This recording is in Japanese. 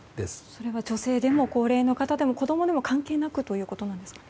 それは女性でも高齢の方でも子供でも関係なくということなんですか？